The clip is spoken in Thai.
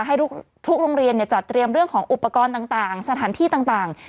ให้ทุกโรงเรียนจัดเตรียมเรื่องของอุปกรณ์ต่างสถานที่ต่าง